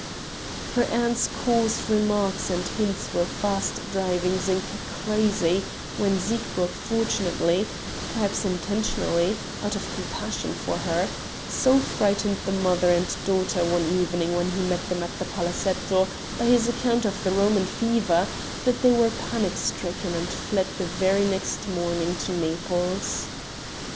Her aunt's coarse remarks and hints were fast driving Zinka crazy when Siegburg fortunately perhaps intentionally, out of compassion for her so frightened the mother and daughter, one evening when he met them at the palazetto, by his account of the Roman fever that they were panic stricken, and fled the very next morning to Naples.